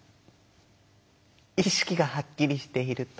「意識がはっきりしている」と。